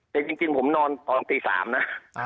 แต่จริงผมนอนตอนตี๓นะ